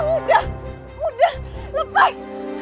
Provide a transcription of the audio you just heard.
udah udah lepas